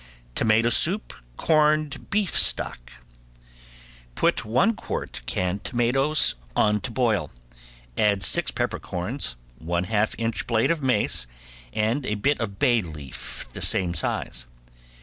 ~TOMATO SOUP, CORNED BEEF STOCK~ Put one quart can tomatoes on to boil, add six peppercorns, one half inch blade of mace and a bit of bay leaf the same size.